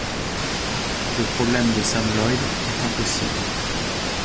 Le problème de Sam Loyd est impossible.